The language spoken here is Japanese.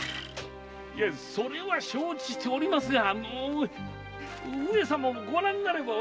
いえそれは承知しておりますが上様もご覧になればわかります！